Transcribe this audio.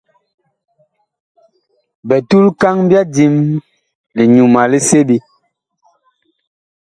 Bitulkaŋ ɓya dim; liŋyuma li seɓe.